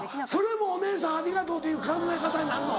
それも「お姉さんありがとう」という考え方になんの？